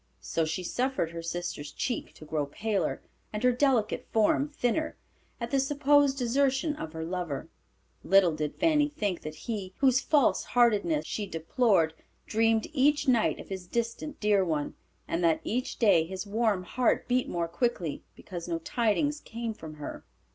So she suffered her sister's cheek to grow paler, and her delicate form thinner, at the supposed desertion of her lover. Little did Fanny think that he, whose false heartedness she deplored, dreamed each night of his distant dear one, and that each day his warm heart beat more quickly, because no tidings came from her.